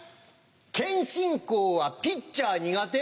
謙信公はピッチャー苦手。